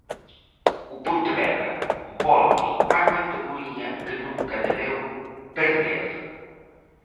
O Pontevedra volve á categoría que nunca debeu perder.